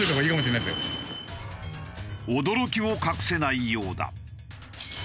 驚きを隠せないようだ。